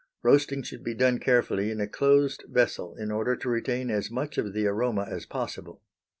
Roasting should be done carefully in a closed vessel in order to retain as much of the aroma as possible.